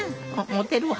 「持てるわ」。